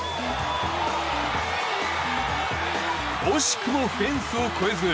惜しくもフェンスを越えず。